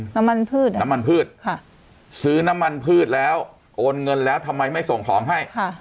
น้ำมันพืชน้ำมันพืชซื้อน้ำมันพืชแล้วโอนเงินแล้วทำไมไม่ส่งของให้